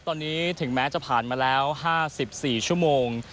ตอนนี้ถึงแม้จะผ่านมาแล้ว๕๔ชั่วโมง